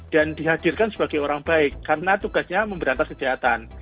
dan dihadirkan sebagai orang baik karena tugasnya memberantar kejahatan